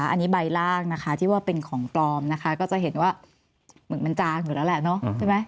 อันนี้ใบล่างนะคะที่ว่าเป็นของปลอมนะคะก็จะเห็นว่าหมึกมันจางอยู่แล้วแหละเนาะใช่ไหม